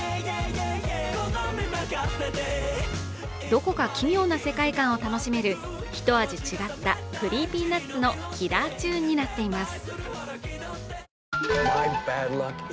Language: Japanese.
どこか奇妙な世界観を楽しめるひと味違ったＣｒｅｅｐｙＮｕｔｓのキラーチューンになっています。